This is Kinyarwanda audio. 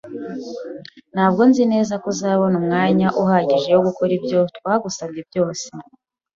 Ntabwo nzi neza ko uzabona umwanya uhagije wo gukora ibyo twagusabye byose.